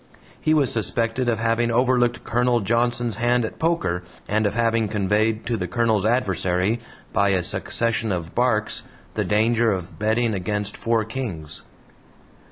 He was suspected of having overlooked Colonel Johnson's hand at poker, and of having conveyed to the Colonel's adversary, by a succession of barks, the danger of betting against four kings.